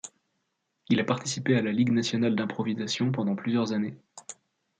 Il a participé à la Ligue nationale d'improvisation pendant plusieurs années.